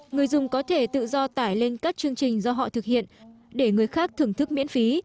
người dùng có thể tự do tải lên các chương trình do họ thực hiện để người khác thưởng thức miễn phí